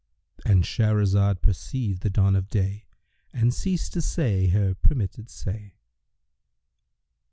"—And Shahrazad perceived the dawn of day and ceased to say her permitted say.